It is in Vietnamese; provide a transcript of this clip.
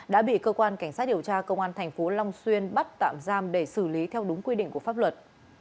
đã bị cơ quan cảnh sát điều tra công an tp long xuyên bắt tạm giam để xử lý theo đúng quy định của pháp luật